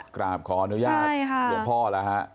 กราบขออนุญาตหลวงพ่อแล้วฮะ